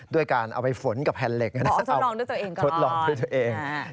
ด้วยการเอาไปฝนกับแผ่นเหล็กนะฮะชดลองด้วยตัวเองก่อน